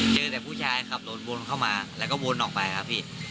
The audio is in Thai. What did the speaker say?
เจอแต่ผู้ชายขับรถวนเข้ามาแล้วก็วนออกไปครับพี่